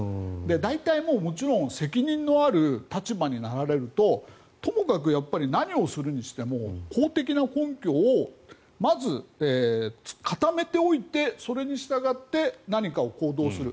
大体もう、もちろん責任のある立場になられるとともかくやっぱり何をするにしても法的な根拠をまず固めておいてそれに従って何かを行動する。